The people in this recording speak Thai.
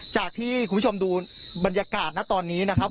จากที่คุณผู้ชมดูบรรยากาศนะตอนนี้นะครับ